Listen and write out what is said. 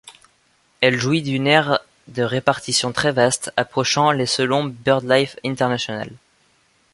Elle jouit d'une aire de répartition très vaste, approchant les selon BirdLife International.